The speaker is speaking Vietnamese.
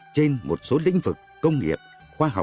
trên một số lĩnh vực công nghiệp khoa học